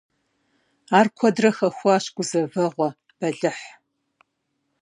Ар куэдрэ хэхуащ гузэвэгъуэ, бэлыхь.